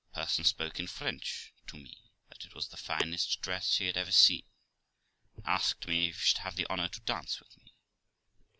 The person spoke in French to me, that it was the finest dress he had ever seen, and asked me if he should have the honour to dance with me.